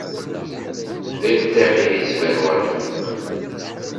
Deg ṭṭiq id yeţban werfiq.